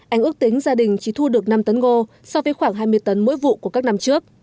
anh ước tính gia đình chỉ thu được năm tấn ngô so với khoảng hai mươi tấn mỗi vụ của các năm trước